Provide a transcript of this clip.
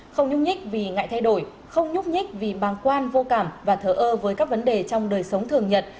không nhúc nhích vì ngại thay đổi không nhúc nhích vì bàng quan vô cảm và thờ ơ với các vấn đề trong đời sống thường nhật